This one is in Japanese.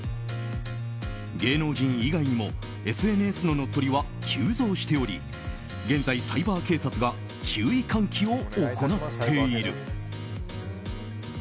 芸能人以外にもＳＮＳの乗っ取りは急増しており現在、サイバー警察が注意喚起を行っている。